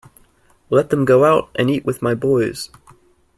Let them go out and eat with my boys.